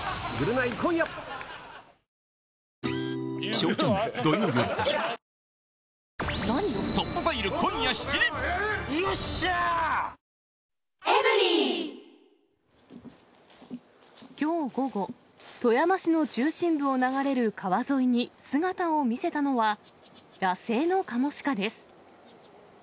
その先も傘マークが並んで、きょう午後、富山市の中心部を流れる川沿いに姿を見せたのは、野生のカモシカです。